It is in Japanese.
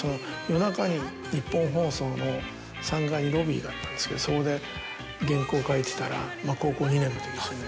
夜中にニッポン放送の３階にロビーがあったんですけどそこで原稿を書いてたらまぁ高校２年のときですよね。